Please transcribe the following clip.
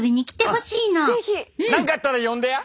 何かあったら呼んでや？